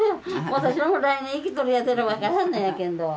私も来年生きとるかどうかわからんのやけんど。